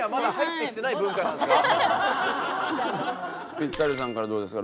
ピッタリさんからどうですか？